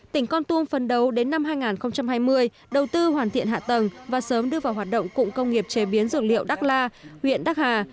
tỉnh con tum phấn đấu đến năm hai nghìn hai mươi đầu tư hoàn thiện hạ tầng và sớm đưa vào hoạt động cụng công nghiệp chế biến dược liệu đắc la huyện đắc hà